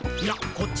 こっち？